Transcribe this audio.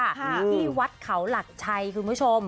ที่วัดเขาหลักชัยคุณผู้ชม